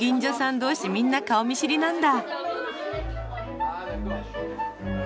同士みんな顔見知りなんだ。